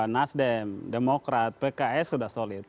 nasdem demokrat pks sudah solid